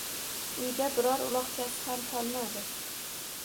Uyda biror uloqchasi ham qolmadi